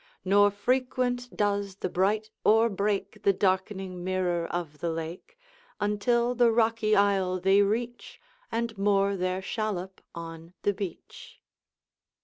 Nor frequent does the bright oar break The darkening mirror of the lake, Until the rocky isle they reach, And moor their shallop on the beach.